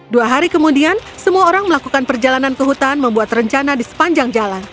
dua hari kemudian semua orang melakukan perjalanan ke hutan membuat rencana di sepanjang jalan